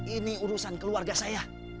ini urusan keluarga saya